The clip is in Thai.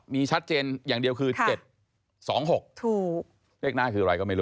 มีชัดเจนอย่างเดียวคือ๗๒๖